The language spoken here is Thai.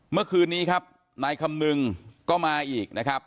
เมื่อคืนนี้ครับนายคำนึงก็มาอีกนะครับ